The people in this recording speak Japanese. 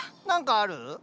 何かある？